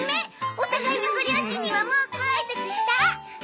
お互いのご両親にはもうごあいさつした？